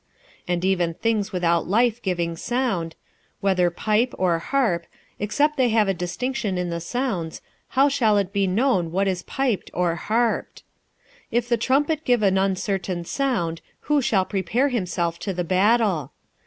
46:014:007 And even things without life giving sound, whether pipe or harp, except they give a distinction in the sounds, how shall it be known what is piped or harped? 46:014:008 For if the trumpet give an uncertain sound, who shall prepare himself to the battle?